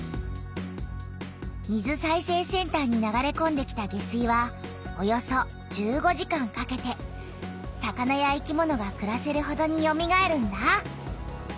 水再生センターに流れこんできた下水はおよそ１５時間かけて魚や生きものがくらせるほどによみがえるんだ。